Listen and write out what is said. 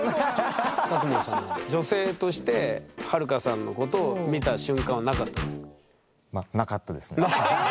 卓馬さんは女性としてはるかさんのことを見た瞬間はなかったんですか？